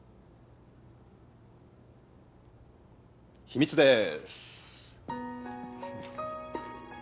秘密です！